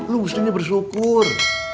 lu harusnya bersyukur